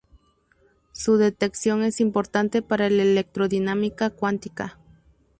Su detección es importante para la electrodinámica cuántica.